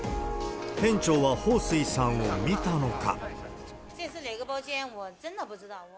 店長は彭帥さんを見たのか。